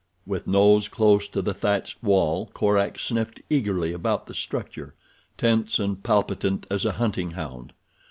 With nose close to the thatched wall Korak sniffed eagerly about the structure—tense and palpitant as a hunting hound.